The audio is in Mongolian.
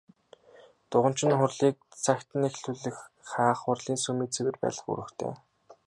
Дуганч нь хурлыг цагт нь эхлүүлэх, хаах, хурлын сүмийг цэвэр байлгах үүрэгтэй.